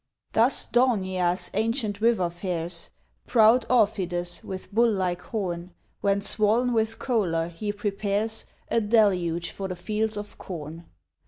Thus Daunia's ancient river fares, Proud Aufidus, with bull like horn, When swoln with choler he prepares A deluge for the fields of corn.